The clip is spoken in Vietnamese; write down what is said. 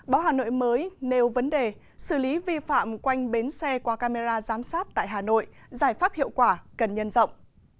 báo hà nội mới nêu vấn đề xử lý vi phạm quanh bến xe qua camera giám sát tại hà nội giải pháp hiệu quả cần nhân rộng